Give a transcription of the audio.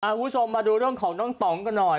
คุณผู้ชมมาดูเรื่องของน้องต่องกันหน่อย